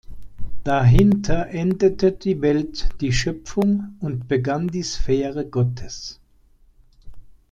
Dahinter endete die Welt, die Schöpfung, und begann die Sphäre Gottes.